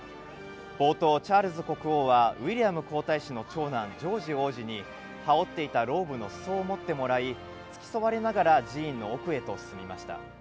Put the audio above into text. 冒頭、チャールズ国王は、ウィリアム皇太子の長男、ジョージ王子に、羽織っていたローブの裾を持ってもらい、付き添われながら寺院の奥へと進みました。